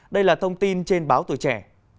đây là thông tin trên báo tuổi trẻ